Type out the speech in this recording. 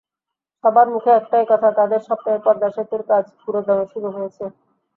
সবার মুখে একটাই কথা—তাঁদের স্বপ্নের পদ্মা সেতুর কাজ পুরোদমে শুরু হয়েছে।